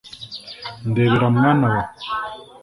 Ndebera mwana wa